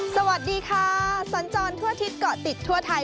สวัสดีค่ะสัญจรทั่วอาทิตย์เกาะติดทั่วไทย